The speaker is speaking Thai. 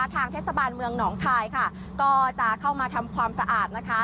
ทางเทศบาลเมืองหนองคายค่ะก็จะเข้ามาทำความสะอาดนะคะ